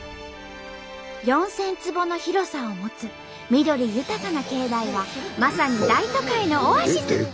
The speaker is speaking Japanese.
４，０００坪の広さを持つ緑豊かな境内はまさに大都会のオアシス。